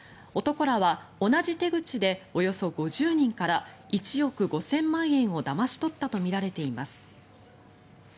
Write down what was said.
男らは同じ手口でおよそ５０人から１億５０００万円をだまし取ったとみられています。